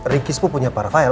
ricky sepupunya para fail